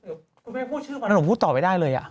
โอ้คุณแม่ผู้ชื่อของฉันหนูพูดต่อไปได้เลยอะ